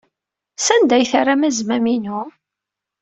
Sanda ay terram azmam-inu?